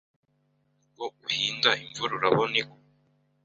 Ko uhinda imvura urabona igwa